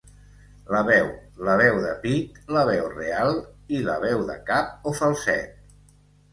La veu, la veu de pit la veu real, i la veu de cap o falset.